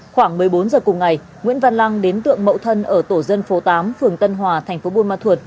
khoảng một mươi bốn giờ cùng ngày nguyễn văn lâm đến tượng mậu thân ở tổ dân phố tám phường tân hòa tp bumathuot